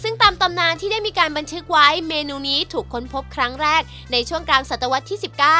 ซึ่งตามตำนานที่ได้มีการบันทึกไว้เมนูนี้ถูกค้นพบครั้งแรกในช่วงกลางศตวรรษที่๑๙